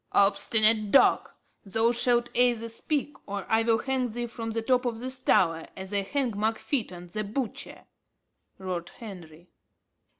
"Obstinate dog! thou shalt either speak, or I will hang thee from the top of this tower, as I hanged Mark Fytton the butcher," roared Henry.